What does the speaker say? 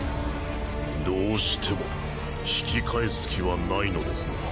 どうしても引き返す気はないのですな。